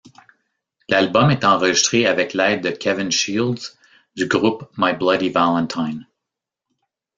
L'album est enregistré avec l'aide de Kevin Shields, du groupe My Bloody Valentine.